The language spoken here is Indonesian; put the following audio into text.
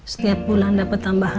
setiap bulan dapat tambahan